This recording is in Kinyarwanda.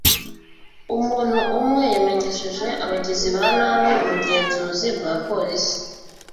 umuntu umwe yamenyesheje abagizi ba nabi ubugenzuzi bwa polisi